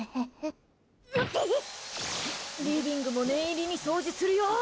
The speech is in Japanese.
リビングも念入りに掃除するよ！